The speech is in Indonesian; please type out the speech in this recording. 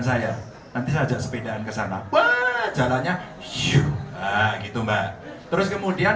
saya nanti sajak sepeda and kesana pot jalannya yuk gitu mbak terus kemudian